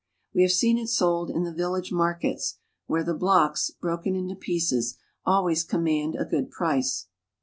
We have seen it sold in the village markets, where* the blocks, broken into pieces, always command a good price.